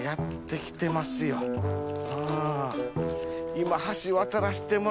今橋渡らしてもらうの。